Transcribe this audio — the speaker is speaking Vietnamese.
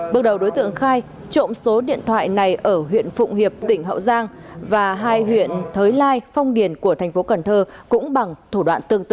bước đầu đối tượng khai trộm số điện thoại này ở huyện phụng hiệp tỉnh hậu giang và hai huyện thới lai phong điền của thành phố cần thơ cũng bằng thủ đoạn tương tự